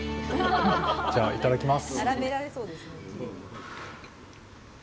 じゃあいただきます。